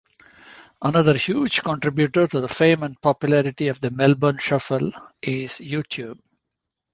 Another huge contributor to the fame and popularity of the Melbourne Shuffle is YouTube.